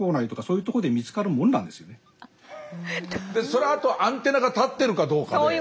それはあとアンテナが立ってるかどうかで。